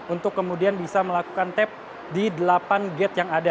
untuk kemudian bisa melakukan tap di delapan gate yang ada